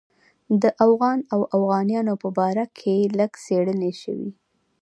د اوغان او اوغانیانو په باره کې لږ څېړنې شوې.